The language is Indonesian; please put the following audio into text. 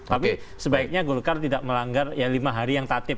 tapi sebaiknya golkar tidak melanggar ya lima hari yang tatip